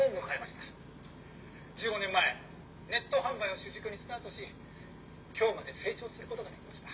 「１５年前ネット販売を主軸にスタートし今日まで成長する事ができました」